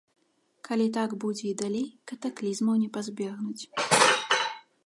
Калі так будзе і далей, катаклізмаў не пазбегнуць.